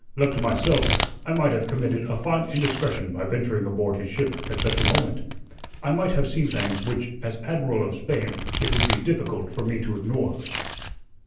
Left to myself, I might have committed a fine indiscretion by venturing aboard his ship at such a moment. I might have seen things which as Admiral of Spain it would be difficult for me to ignore."